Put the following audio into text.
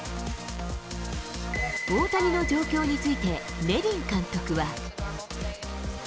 大谷の状況について、ネビン監督は。